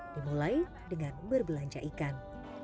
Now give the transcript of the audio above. dimulai dengan berbelanja ikan